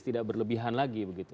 tidak berlebihan lagi begitu